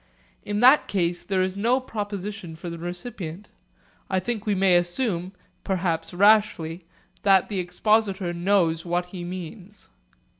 In that case there is no proposition for the recipient. I think that we may assume (perhaps rashly) that the expositor knows what he means.